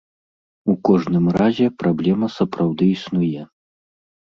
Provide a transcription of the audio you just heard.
У кожным разе, праблема сапраўды існуе.